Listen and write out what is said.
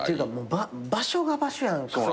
場所が場所やんか。